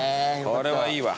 これはいいわ。